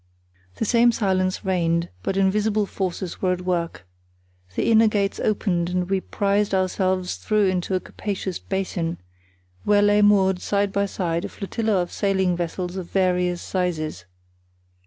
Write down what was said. The same silence reigned, but invisible forces were at work. The inner gates opened and we prised ourselves through into a capacious basin, where lay moored side by side a flotilla of sailing vessels of various sizes.